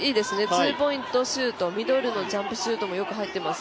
ツーポイントシュートミドルのジャンプシュートもよく入っています